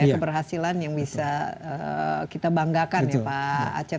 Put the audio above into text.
keberhasilan yang bisa kita banggakan ya pak aceh